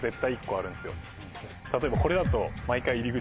例えばこれだと。